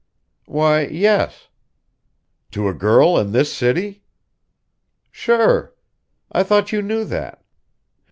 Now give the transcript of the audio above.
"Why, yes." "To a girl in this city!" "Sure! I thought you knew that.